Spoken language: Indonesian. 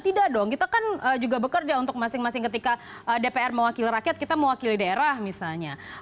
tidak dong kita kan juga bekerja untuk masing masing ketika dpr mewakili rakyat kita mewakili daerah misalnya